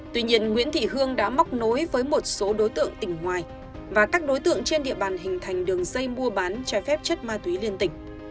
tuy nhiên nguyễn thị hương đã móc nối với một số đối tượng tỉnh ngoài và các đối tượng trên địa bàn hình thành đường dây mua bán trái phép chất ma túy liên tỉnh